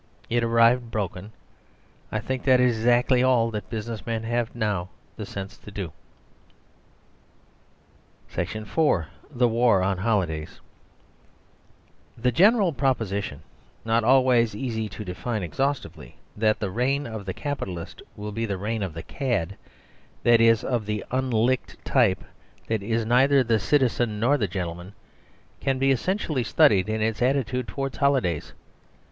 It arrived broken. I think that is exactly all that business men have now the sense to do. IV. The War on Holidays The general proposition, not always easy to define exhaustively, that the reign of the capitalist will be the reign of the cad that is, of the unlicked type that is neither the citizen nor the gentleman can be excellently studied in its attitude towards holidays.